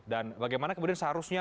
dan bagaimana kemudian seharusnya